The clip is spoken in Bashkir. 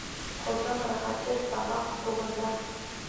Ҡолдоң рәхәте тамаҡ туғында.